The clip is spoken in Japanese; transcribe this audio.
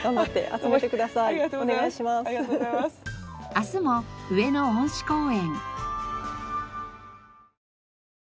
明日も上野恩賜公園。